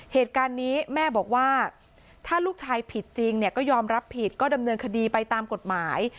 เหตุการณ์นี้แม่บอกว่าถ้าลูกชายผิดจริงเนี่ยก็ยอมรับผิดก็ดำเนินคดีไปตามกฎหมาย